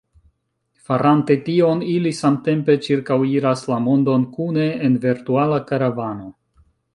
Farante tion, ili samtempe ĉirkaŭiras la mondon kune, en virtuala karavano.